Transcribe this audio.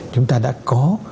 chúng ta đã có